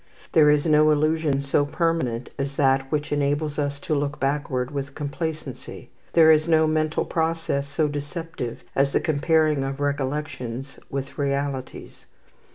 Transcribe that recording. There is no illusion so permanent as that which enables us to look backward with complacency; there is no mental process so deceptive as the comparing of recollections with realities.